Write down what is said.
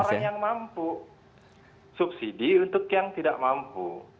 orang yang mampu subsidi untuk yang tidak mampu